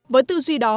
với tư duy đó